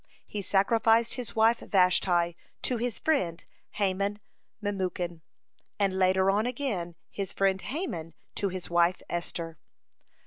He sacrificed his wife Vashti to his friend Haman Memucan, and later on again his friend Haman to his wife Esther.